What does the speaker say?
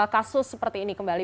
kasus seperti ini kembali